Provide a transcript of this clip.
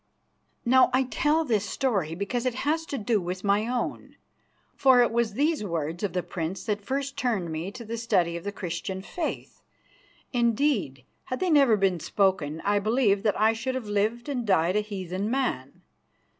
Now I tell this story because it has to do with my own, for it was these words of the Prince that first turned me to the study of the Christian Faith. Indeed, had they never been spoken, I believe that I should have lived and died a heathen man.